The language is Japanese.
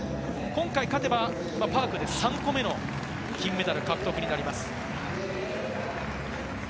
今回、勝てばパークで３個目の金メダル獲得になります。